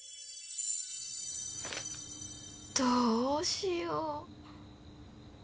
どうしよう。